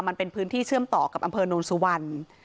มันเป็นพื้นที่เชื่อมต่อกับอำเภอโนนสุวรรณ